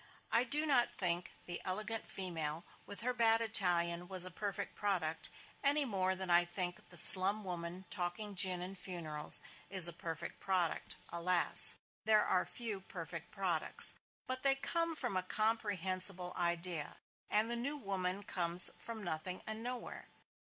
I do not think the elegant female with her bad Italian was a perfect product, any more than I think the slum woman talking gin and funerals is a perfect product; alas! there are few perfect products. But they come from a comprehensible idea; and the new woman comes from nothing and nowhere.